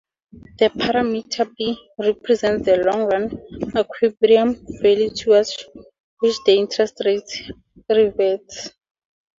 The parameter "b" represents the long-run equilibrium value towards which the interest rate reverts.